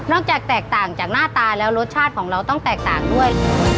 จากแตกต่างจากหน้าตาแล้วรสชาติของเราต้องแตกต่างด้วย